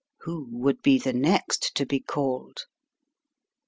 Who would be the next to be called?